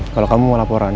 kalau kamu mau laporan